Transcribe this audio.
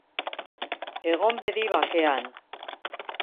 Egon bedi bakean.